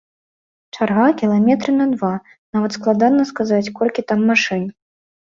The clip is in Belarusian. Чарга кіламетры на два, нават складана сказаць, колькі там машын.